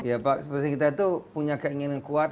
ya pak seperti kita itu punya keinginan kuat